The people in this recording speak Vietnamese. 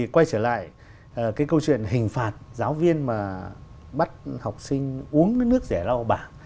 quay trở lại cái câu chuyện hình phạt giáo viên mà bắt học sinh uống nước rẻ lao bảng